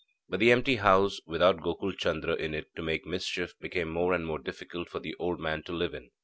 But the empty house, without Gokul Chandra in it to make mischief, became more and more difficult for the old man to live in.